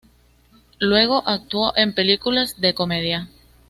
Luego actuó en películas de comedia.